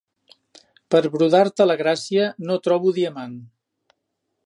Per brodar-te la gràcia, no trobo diamant.